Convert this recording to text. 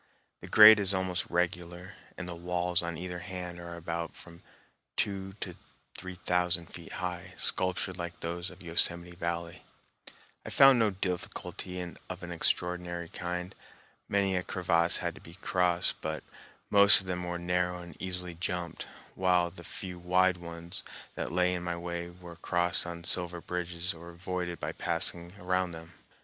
The grade is almost regular, and the walls on either hand are about from two to three thousand feet high, sculptured like those of Yosemite Valley. I found no difficulty of an extraordinary kind. Many a crevasse had to be crossed, but most of them were narrow and easily jumped, while the few wide ones that lay in my way were crossed on sliver bridges or avoided by passing around them.